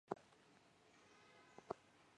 连滩镇是下辖的一个乡镇级行政单位。